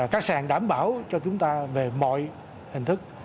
các sàn đảm bảo cho chúng ta về mọi hình thức